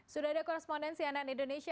sudah ada koresponden